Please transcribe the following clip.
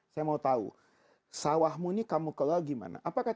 saya mau tahu sawahmu ini kamu kelal gimana